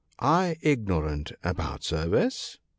* I ignorant about service